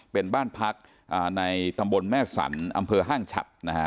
เป็นบ้านพักในตำบลแม่สันอำเภอห้างฉัดนะฮะ